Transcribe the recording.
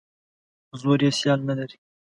زور یې سیال نه لري.